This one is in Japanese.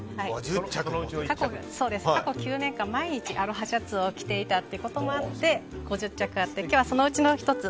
過去９年間毎日アロハシャツを着ていたということもあって５０着あって、そのうちの１つ。